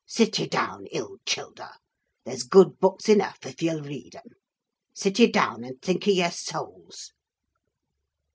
sit ye down, ill childer! there's good books eneugh if ye'll read 'em: sit ye down, and think o' yer sowls!